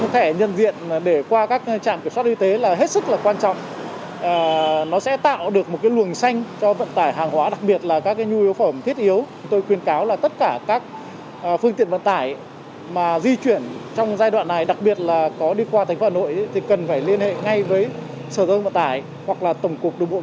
thẻ nhận diện để dễ dàng cho các phương tiện lưu thông